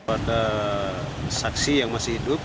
ada saksi yang masih hidup